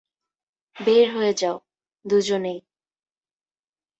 বের হয়ে যাও, দুজনেই।